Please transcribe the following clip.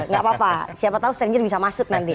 gak apa apa siapa tahu stranger bisa masuk nanti